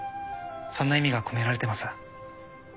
そんな意味が込められてます。